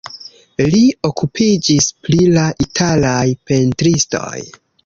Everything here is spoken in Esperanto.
Li okupiĝis pri la italaj pentristoj.